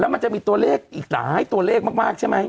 มันจะมีตัวเลขอีกหลายตัวเลขมากใช่ไหม